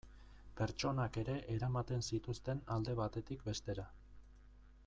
Pertsonak ere eramaten zituzten alde batetik bestera.